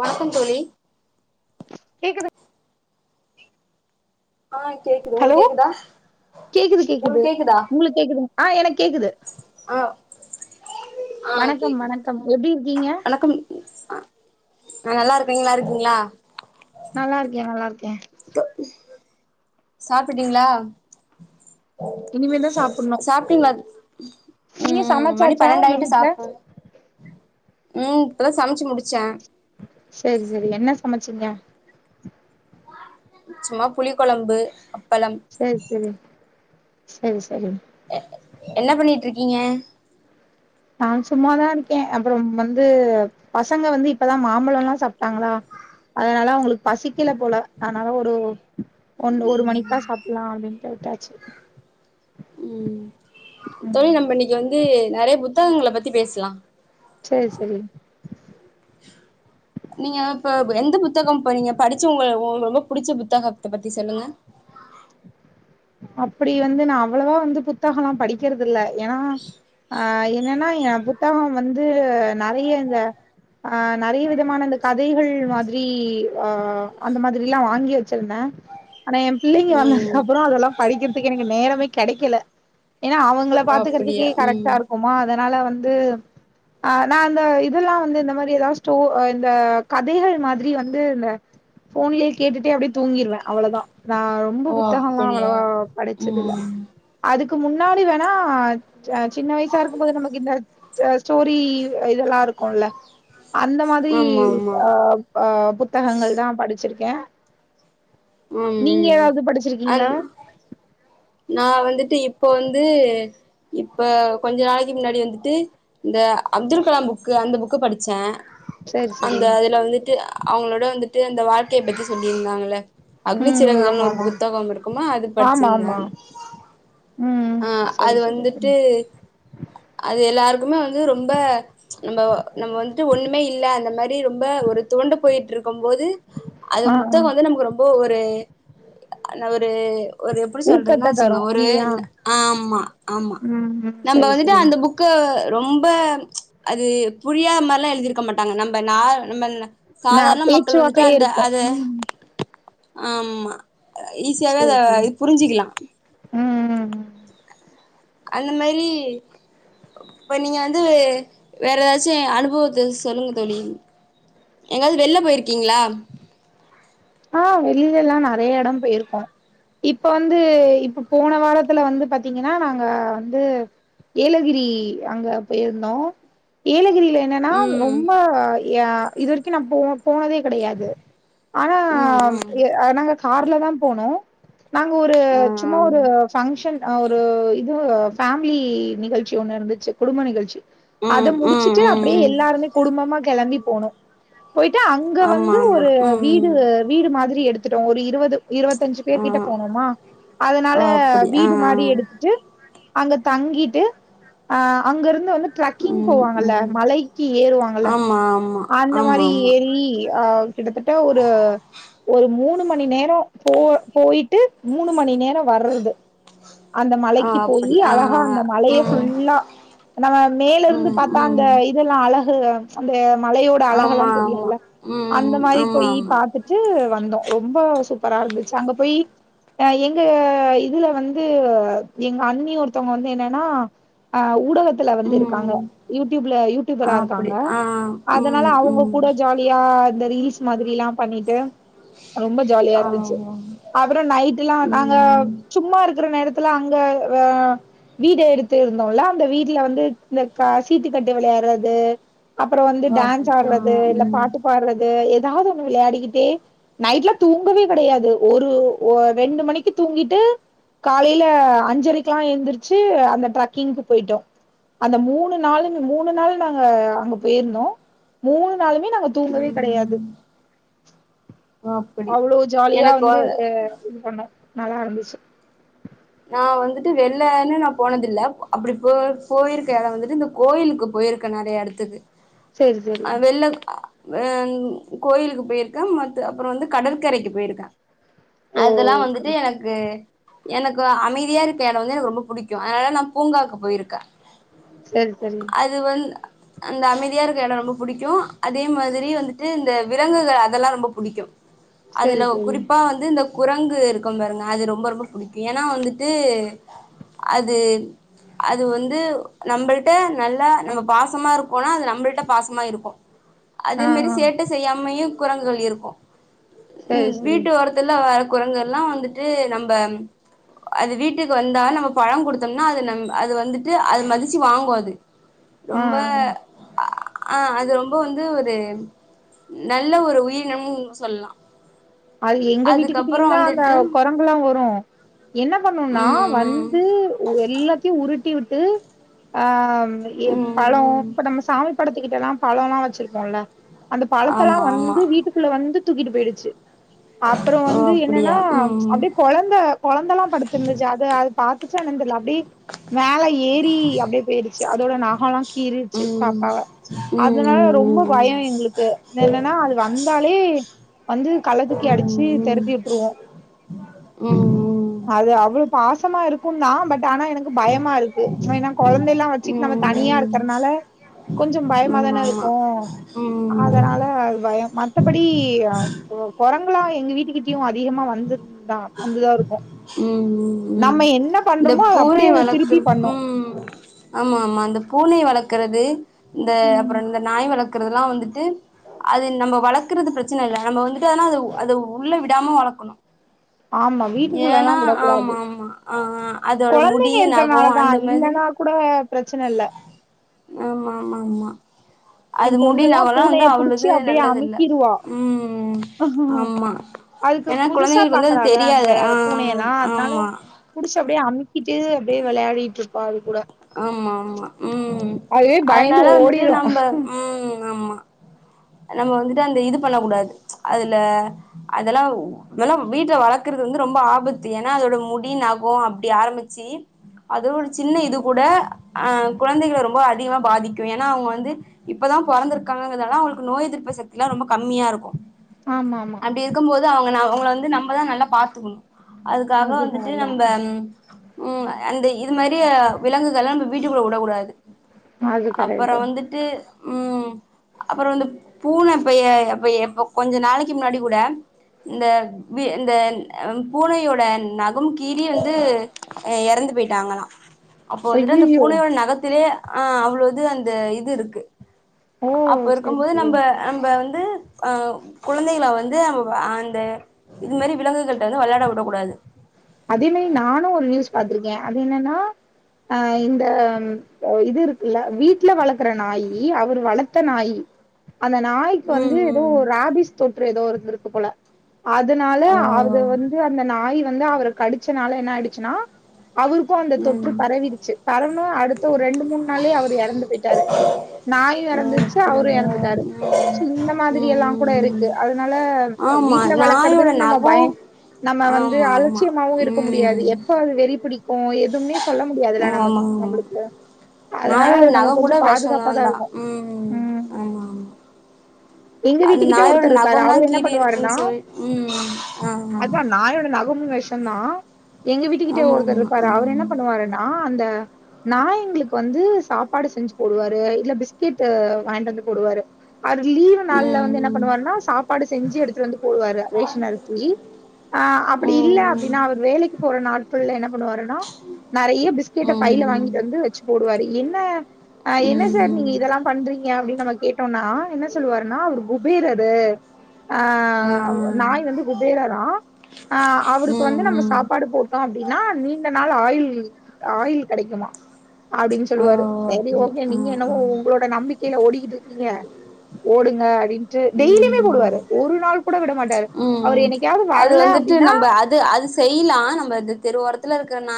வணக்கம் தோழி கேக்குது ஆ கேக்குது ஹலோ உங்களுக்கு கேக்குதா கேக்குது கேக்குது உங்களுக்கு கேக்குதா உங்ளுக்கு கேக்குது ஆ ஆ வணக்கம் வணக்கம் எப்டி இருக்கீங்க நா நல்லா இருக்கா நீங்க நல்லா இருக்கீங்களா நல்லா இருக்கே நல்லா இருக்கே இப்ப சாப்பிட்டீங்களா இனிமேதா சாப்பிடணு சாப்பிட்டீங்களா நீங்க ம் மணி சமைச்சாச்சா உங்க பன்னெண்டாயிட்டு வீட்டுல சாப்ட ம் இப்பதா சமைச்சு முடிச்சே செரி செரி என்ன சமைச்சிங்க சும்மா புளி கொழம்பு அப்பளம் செரி செரி செரி செரி என்ன பண்ணிட்டு இருக்கீங்க நான் சும்மாதா இருக்கே அப்புற வந்து பசங்க வந்து இப்பதா மாம்பழோ எல்லா சாப்பிட்டாங்களா அதனால அவங்களுக்கு பசிக்கல போல அதனால ஒரு ஒன்னு ஒரு மணிக்கா சாப்பிடலா அப்டின்னு விட்டாச்சு ம் தோழி ம் நம்பன்னைக்கு வந்து நெறைய புத்தகங்களை பத்தி பேசல செரி ச்ரி நீங்க இப்ப எந்த புத்தகம் இப்ப நீங்க படிச்ச உங்க ரொ ரொம்ப புடிச்ச புத்தகத்தை பத்தி சொல்லுங்க அப்டி வந்து நா அவ்வளவா வந்து புத்தகம்லா படிக்கறது இல்ல ஏன்னா ஆ என்னன்னா எ புத்தகம் வந்து நெறைய இந்த ஆ நெறைய விதமான இந்த கதைகள் மாதிரி ஆ அந்த மாதிரிலா வாங்கி வச்சிருந்தேன் ஆனா எ பிள்ளைங்க வந்ததுக்கு ம் அப்புறோ அதெல்லா படிக்கிறதுக்கு எனக்கு நேரமே கெடைக்கல ஏன்னா அவ ங்கள ஓ அப்டியா பாத்துக்குறதுக்கே கரெக்ட்டா ம் இருக்குமா அதனால வந்து ஆ நா அந்த இதெல்லா வந்து இந்த மாதிரி ஏதாவது ஸ்டோ இந்த கதைகள் மாதிரி வந்து இந்த ஃபோன்லயே கேட்டுட்டே அப்டியே தூங்கிடுவே அவ்வளவுதா நா ரொம்ப ஓ புத்தகம் எல்லா அப்டியா அவ்வளவா படிச்சது இல்ல ம் அதுக்கு முன்னாடி வேணா அ சின்ன வயசா இருக்கும்போது நமக்கு இந்த ஸ்டோரி இதெல்லா இருக்குல அந்த மாதிரி ஆமா ஆமா அ ஆ புத்தகங்கள் தா படிச்சிருக்கே ம் நீங்க ம் ஏதாவது அந் படிச்சிருக்கீங்களா நா வந்துட்டு இப்ப வந்து இப்ப கொஞ்ச நாளைக்கு முன்னாடி வந்துட்டு இந்த அப்துல் கலாம் புக்கு அந்த புக்கு படிச்சே சரி சரி அந்த அதுல வந்துட்டு அவங்களோட வந்துட்டு அந்த வாழ்க்கையப் பத்தி சொல்லியிருந்தாங்கள அக்னி ம் சிறகுகள்னு ஆமா ஒரு ஆமா புத்தகம் இருக்குமா அது ஆமா படிச்சிருந்தே ஆமா ம் ஆ சரி அது சரி சரி வந்துட்டு அது எல்லாருக்குமே வந்து ரொம்ப நம்ம நம்ம வந்துட்டு ஒண்ணுமே இல்ல அந்த மாரி ரொம்ப ஒரு துவண்டு போயிட்டு இருக்கும் போது அது ஆ ஆ புத்தகம் வந்து நமக்கு ரொம்ப ஒரு அ ஒரு ஒரு எப்டி சொல் ஊக்கத்த என்னாச்சுங்க தரு ஒரு இல்லையா ஆமா ஆமா ம் ம் நம்ம சரி வந்துட்டு சரி அந்த புக்க ரொம்ப அது புரியாத மாரில்லா எழுதிருக்க மாட்டாங்க நம்ம ந நம்ம நா சாதாரண மக்கள் வந்துட்டு பேச்சுவாக்குலயே அந்த இருக்கு அத ம் ஆமா ஈஸியாவே சரி அத சரி இது புரிஞ்சிக்கலா ம் அந்த மாரி இப்ப நீங்க வந்து வேற ஏதாச்சு அனுபவத்தை சொல்லுங்க தோழி எங்காவது வெளில போயிருக்கீங்களா ஆ வெளியில எல்லா நெறைய எடோ போயிருக்கோ இப்ப வந்து இப்ப போன வாரத்துல வந்து பாத்தீங்கன்னா நாங்க வந்து ஏலகிரி அங்க போயிருந்தோ ஏலகிரி ல என்னன்னா ம் ரொம்ப இதுவரைக்கு நா போ போனதே கெடையாது ம் அம் ம் நாங்க கார்ல தா போனோ நாங்க ஒரு ஆ சும்மா ஒரு ஃபங்க்ஷன் ஒரு இது ஃபேமிலி நிகழ்ச்சி ஒண்ணு இருந்துச்சு குடும்ப நிகழ்ச்சி அத ம் ம் முடிச்சுட்டு ம் அப்டே ம் எல்லாருமே குடும்பமா கெளம்பி போனோ போயிட்டு அங்க ஆமா வந்து ஆமா ஒரு வீடு ம் வீடு மாதிரி எடுத்துட்டோ ஒரு இருபது இருவத்தஞ்சு ஆ பேர் கிட்ட போனோமா அதனால ஓ அப்படி ஆ வீடு மாதிரி எடுத்துட்டு அங்க தங்கிட்டு அ அங்க இருந்து வந்து ட்ரக்கிங் ம் போவாங்கல்ல ம் மலைக்கி ஏறுவாங்கல ஆமா ஆமா அந்த ஆமா மாரி ஆமா ஏறி ஆ கிட்டத்தட்ட ஒரு ஒரு மூணு மணி நேரோ போ போயிட்டு மூணு மணி நேரோ வர்றது அந்த ஆ மலைக்கி அப்படி போயி ஆ அழகா அந்த மலைய ம் ஃபுல்லா நம்ம மேல இருந்து ம் பார்த்தா அந்த ம் இதெல்லா அழகுக அந்த மலையோட அழகல்லா ஆமா ஆமா தெரியுல அந்த ம் மாரி ஆமா போய் ஆமா பாத்துட்டு வந்தோ ரொம்ப சூப்பரா இருந்துச்சு அங்க போய் அ எங்க இதுல வந்து எங்க அண்ணி ஒருத்தவுங்க வந்து என்னன்னா ஆ ஊடக த்துல வந்து இருக்காங்க ம் யூடியூப்ல யூடியூபரா அப்டி இருக்காங்க ஆ அதனால ம் அவுங்க ம் கூட ஜாலி யா இந்த ரீல்ஸ் மாதிரிலா பண்ணிட்டு ரொம்ப ஜாலியா ஆ இருந்துச்சு அப்புற நைட்டுலா நாங்க ம் சும்மா இருக்கிற நேரத்துல அங்க ஆ வீடு எடுத்து இருந்தோல அந்த வீட்ல வந்து இந்த க சீட்டுக்கட்டு விளையாடுறது அப்புற வந்து ஓ அப்டி டான்ஸ் ஆ ஆடுறது இல்ல ம் பாட்டு பாட்றது ஏதாவது ஒண்ணு விளையாடிக்கிட்டே நைட்ல தூங்கவே கெடையாது ஒரு ரெண்டு மணிக்கு தூங்கிட்டு காலைல அஞ்சரைக்லா எந்திரிச்சு அந்த ட்ரக்கிங்க்கு போய்ட்டோ அந்த மூணு நாளுமே மூணு நாள் நாங்க அங்க போய்ர்ந்தோ மூணு நாளுமே நாங்க தூங்கவே கெடையாது ம் ஓ அப்டி அவ்ளோ ஜாலியா எனக்கு வ வந்து அது இது பண்ணோ நல்லா இருந்துச்சு நா வந்துட்டு வெள்ளன்னு நா போனதில்ல அப்டி போ போயிருக்க இடோ வந்துட்டு இந்த கோயிலுக்கு போயிருக்கே நறைய இடத்துக்கு சேரி சேரி அ வெள்ள அ கோயிலுக்கு போயிருக்கே மத்த அப்புற வந்து கடற்கரைக்கு போயிருக்கே ஓ அதெல்லா வந்துட்டு எனக்கு எனக் அமைதியா இருக்க இட வந்து எனக்கு ரொம்ப புடிக்கு அதனால நா பூங்காவுக்கு போயிருக்கே செரி செரி அது வந் அந்த அமைதியா இருக்க இட ரொம்ப புடிக்கு அதே மாதிரி வந்துட்டு இந்த விலங்குகள் அதெல்லா ரொம்ப புடிக்கு சரி அதுல சரி குறிப்பா வந்து இந்த குரங்கு இருக்கு பாருங்க அது ரொம்ப ரொம்ப புடிக்கு ஏன்னா வந்துட்டு அது அது வந்து நம்புள்ட்ட நல்லா நம்ம பாசமா இருக்கோனா அது நம்புள்ட்ட பாசமா இருக்கு ஆ அதே மேரி ஆ சேட்ட செய்யாமையு குரங்குகள் இருக்கு சரி ம் சரி வீட்டு ஒரத் துல வர குரங்கு எல்லா வந்துட்டு நம்ம அது வீட்டுக்கு வந்தா நம்ம பழ குடுத்தோம்னா அது நம் அது வந்துட்டு அது மதிச்சு வாங்கு அது ஆ ரொம்ப ஆ ஆ அது ரொம்ப வந்து ஒரு நல்ல ஒரு உயிரினம் சொல்லா அது எங்க வீட்டுகிட்டயுந்தா அந்த வந்துட்டு கொர ங்குலா வரு என்ன பண்ணுன்னா ம் வந்து எல்லாத்தையு உருட்டி விட்டு ஆ‌ ம்‌ எ ம் ம் ம் பழோ‌ ம் இப்ப நம்ம சாமி படத்துக்கிட்டல்லா பழொ‌ல்லா வச்சிருப்போல்ல அந்த பழத்தல்லா‌ ஆமா ஆமா வந்து வீட்டுக்குள்ள வந்து தூக்கிட்டு போயிடுச்சு அப்புறோ ஓ வந்து என்னனா அப்டியா ம் அப்டே கொழந்த கொழந்தல்லா படுத்துருந்துச்சு அத அது பாத்துச்சா என்னன் தெர்ல அ ப்டி மேல ஏறி அப்டியே போயிடுச்சு அதோட நகல்லா கீறிச்சு ம் பாப்பாவ ம் ம் ம் ம் ம் அதுனால ரொம்ப பயொ எங்ளுக்கு என்னனா அது வந்தாலே வந்து கள்ள தூக்கி அடிச்சு தெரத்தி விட்ருவோ ம்‌ ம் அது அவ்ளொ பாசமா இருக்குந்தா பட் ஆனா எனக்கு பயமா இருக்கு ஏனா கொழந்தைலா ம் வச்சுட்டு நம்ம ம் தனியா ம் இருக்குறனால கொஞ்சம் பயமா ஆமா தானே ஆமா இருக்கு ம் ம் அதனால அது பய மத் தபடி அ கொரங்குளா எங்க வீட்டுக்கிட்டயு அதிகமா வந்த தா வந்துதா இருக்கு ம் ம் நம்ம என்னப் இந்த பூனை வளக்குற ம் ஆமாமா இந்த பூனை வளக்குறது இந்த ம் அப்றொ இந்த நாய் வளக்குறதுலா வந்துட்டு அது நம்ம வளக்குறது பிரச்சன இல்ல நம்ம வந்துட்டு ஆனா அத அத உள்ள விடாம வளக்கனு ஆமா வீட்டுக்குள்ளல்லா ஏனா விடக்கூடாது ஆமாமா ஆ ஆ அதோட முடி கொழந்தைங்க இருக்கறனாலதா நகோஅந்த மாதிரி இல்லன்னா கூட பிரச்சன இல்ல ஆமாமாமா எ அது முடி பொண்ணுல்லா நகொல்லா வந்து பூனைய புடிச்சு அவ்ளொது அப்டியே நல்லதில்ல அமிக்கிருவா ம் ஆமா அதுக்கு ஏனா புதுசா குழந்தைங்களுக்கு வந்து அது பாக்குறால தெரியாது ஆ ஆமா புடுச்சு அப்டியே அமுக்கிட்டு அப்டியே வெளயாடிட்ருப்பா அது கூட ஆமாமா ம் அதுவே பயந்து அதுனால வந்துட்டு ஓடிரு நம்ப ம் ஆமா நம்ம வந்துட்டு அந்த இது பண்ண கூடாது அதுல அதெல்லா மேலா வீட்ல வளக்குறது வந்து ரொம்ப ஆபத்து ஏனா அதோட முடி நகொ அப்டி ஆரம்பிச்சு அது ஒரு சின்ன இது கூட அ குழந்தைகள ரொம்ப அதிகமா பாதிக்கு ஏனா அவங்க வந்து இப்பதா பொறந்துருக்காங்கதால அவுங்களுக்கு நோய எதிர்ப்பு சக்தில்லா ரொம்ப கம்மியா இருக்கு ஆமாமா க்கும்போது அவுங்கன அவங்கள வந்து நம்மதா நல்லா பாத்துக்கனு அதுக்காக அதுதா வந்துட்டு அதா நம்ப ம் ம் அந்த இது மாரிய விலங்குகள நம்ப வீட்டுக்குள்ள வுடக்கூடாது அது அப்பறொ கரெக்ட்டு வந்துட்டு ம் அப்பறொ இந்து பூன இப்பயே அப்பயே இப்ப கொஞ்ச நாளைக்கி முன்னாடி கூட இந்த வி இந்த அ பூனையோட நகம் கீறி வந்து எறந்து போயிட்டாங்கலா அப்போ வந்துட்டு அந்த ஐயையோ பூனையோட நகத்திலேயே அ அவ்ளோ இது அந்த இது இருக்கு ஓ அப்ப இருக்கு சரி போது சரி நம்ப நம்ப வந்து அ குழந்தைகள வந்து அவ் அந்த இது மாரி விலங்குகள்ட்ட வந்து வெளயாட விடக் கூடாது அதே மாரி‌ நானு ஒரு நியூஸ் பாத்துருக்கே அது என்னன்னா அ இந்த இது இருக்குல்ல வீட்ல வளக்குற நாயி அவர் வளத்த நாயி அந்த நாய்க்கு வந்து ம் எதோ ம் ராபிஸ் தொற்று எதோ இருந்துருக்கு போல அதுனால ஓ அத வந்து அந்த நாய் வந்து அவர கடுச்சனால என்ன ஆயிடுச்சுன்னா அவருக்கு அந்த தொற்று ம் பரவிடுச்சு பரவ்னு அடு ஒரு ரெண்டு மூணு நாளே அவர் எறந்து போயிட்டாரு நாயு ஓ இறந்துது ச அவரு அப்டியா எறந்துட்டாரு இந்த மாதிரி ம் எல்லா ம் கூட ம் ம் இருக்கு அதனால ஆமா வீட்ல நாயோட வளர்க்கறதுன்னு நம்ம நகோ பய நம்ம வந்து ஆமா அல் ஆமா நிச்சயமாவு இருக்க முடியாது ம் எப்ப அது வெறி பிடிக்கு எதுவுனே சொல்ல முடியாதுல ஆமா நமக்கு ஆமா நம்மளுக்கு அதனால நாயோட அது நக நம்ம கூட கொஞ்சோ பாதுகாப்பாதா வெஷம்தா இருக்கு ம் ஆமா ஆமா எங்க அந்த வீட்டுக்கிட்ட நாயோட ஒருத்தர் நக இருக்காரு தா அவரு என்ன கீறி இருக்குன்னு பண்ணுவாருன்னா சொல்ட் ம் ஆமா ஆமா அதா நாயோட நகமு வெஷந் தா எங்க வீட்டுக்கிட்டே ஆமா ஒருத்தர் ஆமா. இருப்பாரு அவர் என்ன ம். பண்ணுவாரு நா அந்த நா எங்களுக்கு வந்து சாப்பாடு செஞ்சு போடுவாரு இல்ல பிஸ்கெட் வாங்கிட்டு வந்து போடுவாரு அந்த லீவ் நாள்ல ம் வந்து என்ன பண்ணுவாருன்னா சாப்பாடு செஞ்சுடுத்துட்டு வந்து போடுவாரு ரேஷன் அரிசி ஆ அப்படி இல்ல ம். அப்டினா அவர் வேலைக்கு போற நாட்க்கள்ல என்ன பண்ணுவாருனா நறைய பிஸ்கெட்ட ம் பையில ம். வாங்கிட்டு வந்து வச்சு போடுவாரு என்ன ஆ என்ன ம் சார் நீங்க ம். இதெல்லா பண்றீங்க அப்டின்னு நம்ம கேட்டோம்னா என்ன சொல்லுவாருன்னா அவர் குபேரர் து ஆ ஆ. நாய் வந்து குப் வேறலா அவருக்கு வந்து ம் நம்ம ம். சாப்பாடு போட் தோ அப்டின்னா நீண்ட நாள் ஆயில் ஆயில் கடைக்குமா அப்டின்னு ஓ! சொல்லுவாரு சரி அப்படியா. ஓகே ஆ நீங்க என்னவோ ஆ. உங்களோட நம்பிக்கையில ஓடிக்கிட்டு இருக்கீங்க ஓடுங்க அப்டின் டு டெய்லியுமே போடுவாரு ம். ஒரு நாள் கூட விட மாட்டாரு அவர் என்னைக்கயாவது வரல அப்டின்னா து அது செய்யலா நம்ம தெருஓரத்தில இருக்கிற நா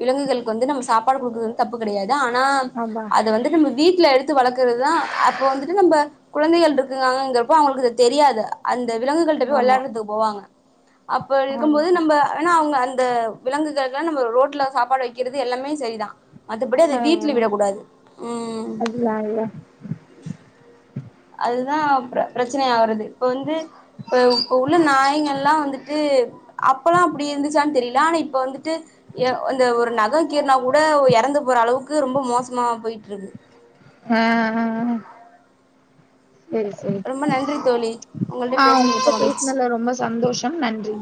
விலங்குகளுக்கு வந்து நம்ம கொடுக்குறது வந்து தப்பு கிடையாது ஆனா ஆமா அத வந்து நம்ம வீட்ல எடுத்து த்து வளக்கறது தா அப்ப வந்துட்டு நம்ம குழந்தைகள் இருக்கு இது ஆ இருக்கிறப்போ அவங்களுக்கு தெரியாது அந்த விலங்குகள் போய் ஆமா விளையாடுறதுக்கு போவாங்க அப்ப ஆமா இருக்கும்போது நம்ப ஆனா அவங்க அந்த விலங்குகளுக்லா ரோட்ல சாப்பாடு வைக்கிறது எல்லாமே சரிதா மத்தபடி அத வீட்ல விடக் கூடாது ம் நாங்க இல்ல அதுதா பிரச்சன ஆகுறது இப்ப வந்து இப்ப உள்ள நாயங்க எல்லா வந்துட்டு அப்பெல்லா அப்டி இருந்துச்சான்னு தெரியல ஆனா இப்ப வந்து ட்டு அந்த ஒரு நக கீர்னா கூட எறந்து போற அளவுக்கு ரொம்ப மோசமா போயிட்டு இருக்கு ஆ அஹ ஹ சரி சரி ரொம்ப நன்றி தோழி உங்கள்ட்ட ஆ பேசுனது உங்ககிட்ட மிக்க மகிழ்ச்சி பேசினதுல ரொம்ப சந்தோஷம் நன்றி